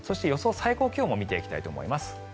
最高気温も見ていきたいと思います。